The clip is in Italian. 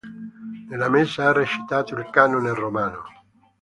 Nella messa è recitato il canone romano.